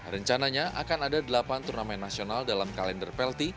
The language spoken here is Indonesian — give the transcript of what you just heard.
rencananya akan ada delapan turnamen nasional dalam kalender plt